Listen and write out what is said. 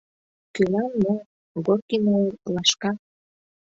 Кӧлан мо, Горкиналан — лашка!